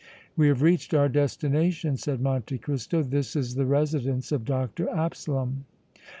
"We have reached our destination," said Monte Cristo. "This is the residence of Dr. Absalom."